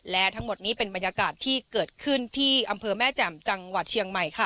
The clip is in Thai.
และทั้งหมดนี้เป็นบรรยากาศที่เกิดขึ้นที่อำเภอแม่แจ่มจังหวัดเชียงใหม่ค่ะ